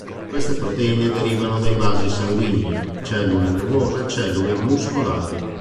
Queste proteine derivano dai vasi sanguigni, cellule nervose e cellule muscolari.